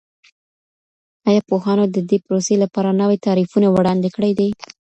ایا پوهانو د دې پروسې لپاره نوي تعریفونه وړاندې کړي دي؟